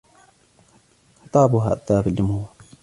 خطابها أثَر في الجمهور.